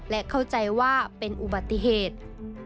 และเข้าใจว่าเป็นอุบัติเหตุ